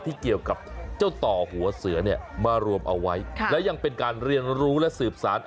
เกี่ยวกับเจ้าต่อหัวเสือเนี่ยมารวมเอาไว้และยังเป็นการเรียนรู้และสืบสาร